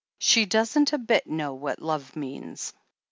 "She doesn't a bit know what love means."